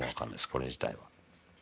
これ自体は。